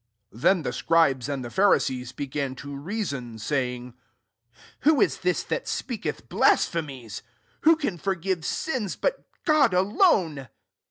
SI Then the scribes and the Pharisees began to reason, say ing, " Who is this that spei^ eth blasphemies ? Who can forgive sins, but God alcHie